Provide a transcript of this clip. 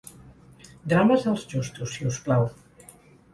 Drames, els justos, si us plau.